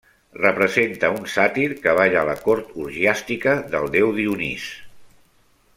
Representa un sàtir que balla a la cort orgiàstica del déu Dionís.